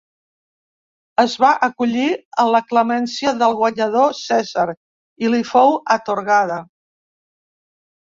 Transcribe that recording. Es va acollir a la clemència del guanyador, Cèsar, i li fou atorgada.